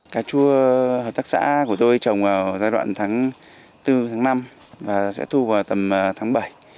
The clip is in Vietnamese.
cà chua hợp tác xã của tôi trồng vào giai đoạn tháng bốn tháng năm và sẽ thu vào tầm tháng bảy